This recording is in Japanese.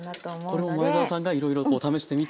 これも前沢さんがいろいろ試してみて？